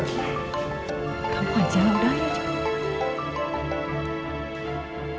kamu aja lah udah aja